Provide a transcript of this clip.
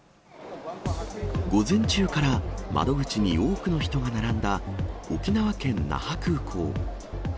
午前中から窓口に多くの人が並んだ沖縄県那覇空港。